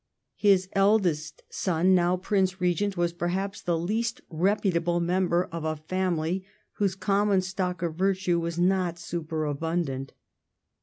His eldest son, now Prince Regent, was perhaps the least reputable member of a family whose common stock of virtue was not superabundant.